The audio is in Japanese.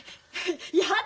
やだ